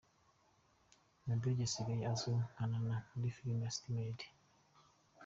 Nadege usigaye uzwi nka Nana muri Filime City Maid.